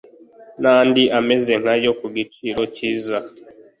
nandi ameze nkayo ku giciro cyiza